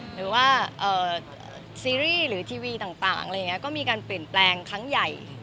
หรือว่าซีรีส์หรือทีวีต่างอะไรอย่างนี้ก็มีการเปลี่ยนแปลงครั้งใหญ่